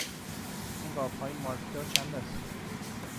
این قاب های مارکدار چند است؟